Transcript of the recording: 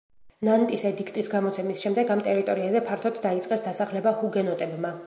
ნანტის ედიქტის გამოცემის შემდეგ ამ ტერიტორიაზე ფართოდ დაიწყეს დასახლება ჰუგენოტებმა.